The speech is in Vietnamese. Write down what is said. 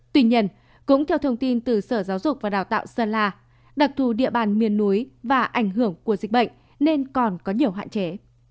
tuy nhiên cũng theo thông tin từ sở giáo dục và đào tạo sơn la đặc thù địa bàn miền núi và ảnh hưởng của dịch bệnh nên còn có nhiều hạn chế